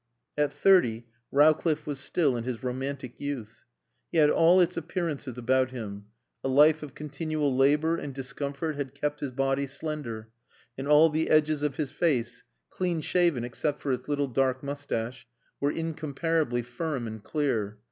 At thirty Rowcliffe was still in his romantic youth. He had all its appearances about him. A life of continual labor and discomfort had kept his body slender; and all the edges of his face clean shaven except for its little dark moustache were incomparably firm and clear.